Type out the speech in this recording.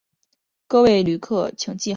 各位旅客请系好你的安全带